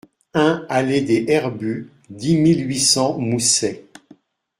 un allée des Herbues, dix mille huit cents Moussey